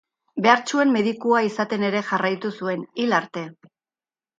Behartsuen medikua izaten ere jarraitu zuen, hil arte.